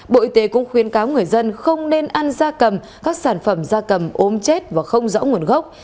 bộ y tế cũng khuyến cáo người dân không nên ăn da cầm các sản phẩm da cầm ốm chết và không rõ nguồn gốc